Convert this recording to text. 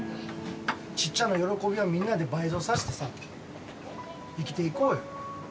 ちっちゃな喜びをみんなで倍増させてさ、生きていこうよ。